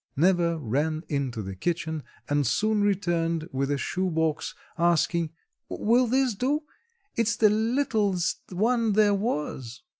Neva ran into the kitchen and soon returned with a shoe box asking, "Will this do? It's the littlest one there was."